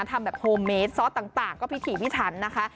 ทำแบบโฮมเมดซอสต่างก็พิถีพิถันนะคะ